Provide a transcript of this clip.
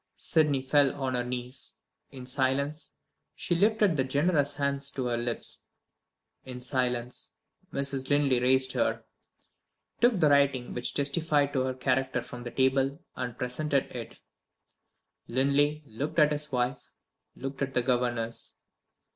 Sydney fell on her knees. In silence she lifted that generous hand to her lips. In silence, Mrs. Linley raised her took the writing which testified to her character from the table and presented it. Linley looked at his wife, looked at the governess.